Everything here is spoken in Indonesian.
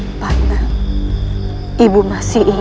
tidak ada kesalahan